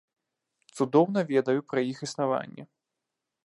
Цудоўна ведаю пра іх існаванне.